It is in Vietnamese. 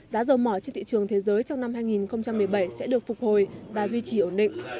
giá dầu mỏ trên thị trường thế giới trong năm hai nghìn một mươi bảy sẽ được phục hồi và duy trì ổn định